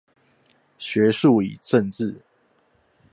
學術與政治